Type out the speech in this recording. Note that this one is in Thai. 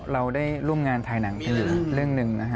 เราได้ร่วมงานถ่ายหนังอยู่เรื่องนึง